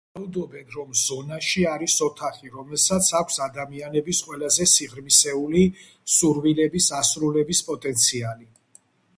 ვარაუდობენ, რომ „ზონაში“ არის ოთახი, რომელსაც აქვს ადამიანების ყველაზე სიღრმისეული სურვილების ასრულების პოტენციალი.